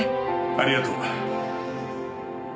ありがとう。